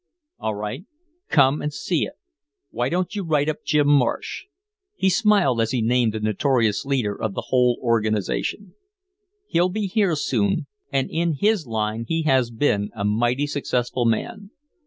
"All right, come and see it. Why don't you write up Jim Marsh?" He smiled as he named the notorious leader of the whole organization. "He'll be here soon, and in his line he has been a mighty successful man.